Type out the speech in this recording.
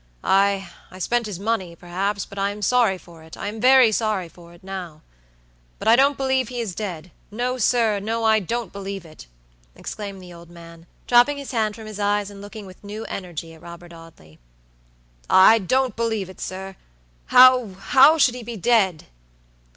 II spent his money, perhaps, but I am sorry for itI am very sorry for it now. But I don't believe he is deadno, sir; no, I don't believe it!" exclaimed the old man, dropping his hand from his eyes, and looking with new energy at Robert Audley. "II don't believe it, sir! Howhow should he be dead?"